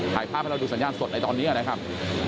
ถ่ายภาพให้เราดูสัญญาณสดในตอนนี้นะครับ